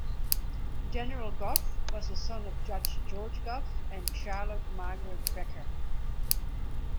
General Gough was the son of Judge George Gough and Charlotte Margaret Becher.